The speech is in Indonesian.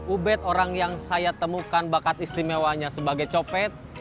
ubed orang yang saya temukan bakat istimewanya sebagai copet